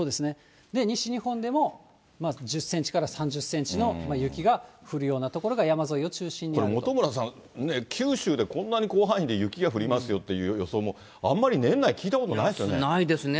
西日本でも、１０センチから３０センチの雪が降るような所が山沿いを中心にあ本村さん、九州でこんなに広範囲で雪が降りますよっていう予想も、あんまりないですね。